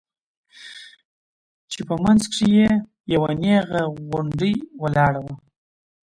چې په منځ کښې يې يوه نيغه غونډۍ ولاړه وه.